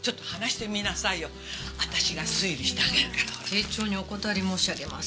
丁重にお断り申し上げます。